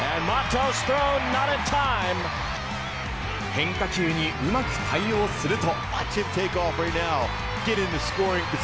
変化球にうまく対応すると。